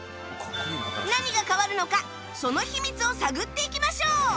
何が変わるのかその秘密を探っていきましょう